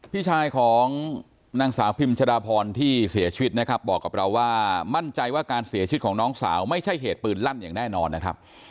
พี่ชายของนางสาวพิมชดาพรที่เสียชีวิตนะครับบอกกับเราว่ามั่นใจว่าการเสียชีวิตของน้องสาวไม่ใช่เหตุปืนลั่นอย่างแน่นอนนะครับ